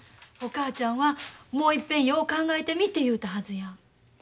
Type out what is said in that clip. お母ちゃんはもう一遍よう考えてみて言うたはずや。